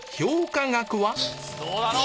どうだろう？